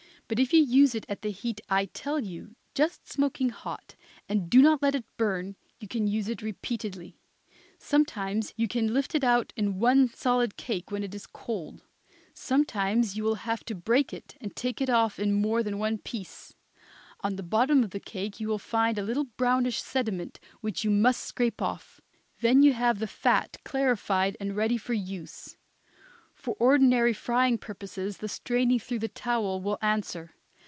But if you use it at the heat I tell you, just smoking hot, and do not let it burn, you can use it repeatedly. Sometimes you can lift it out in one solid cake when it is cold; sometimes you will have to break it and take it off in more than one piece. On the bottom of the cake you will find a little brownish sediment which you must scrape off. Then you have the fat clarified and ready for use. For ordinary frying purposes the straining through the towel will answer.